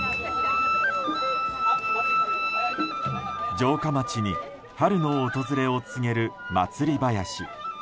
城下町に春の訪れを告げる祭りばやし。